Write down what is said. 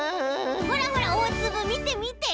ほらほらおおつぶみてみて！